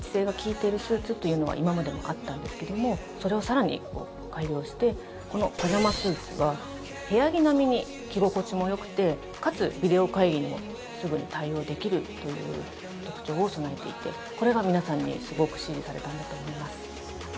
それを更に改良してこのパジャマスーツは部屋着並みに着心地もよくてかつビデオ会議にもすぐに対応できるという特徴を備えていてこれが皆さんにすごく支持されたんだと思います。